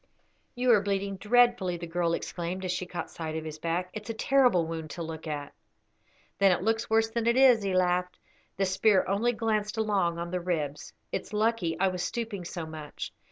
"You are bleeding dreadfully," the girl exclaimed, as she caught sight of his back. "It's a terrible wound to look at." "Then it looks worse than it is," he laughed. "The spear only glanced along on the ribs. It's lucky I was stooping so much.